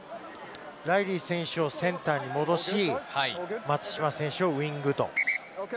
ライリー選手をセンターに戻し、松島選手をウイングと。